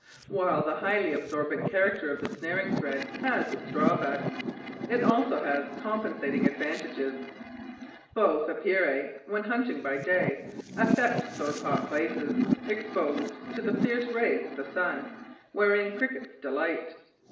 While the highly absorbent character of the snaring thread has its drawbacks, it also has compensating advantages. Both Epeirae, when hunting by day, affect those hot places, exposed to the fierce rays of the sun, wherein the Crickets delight.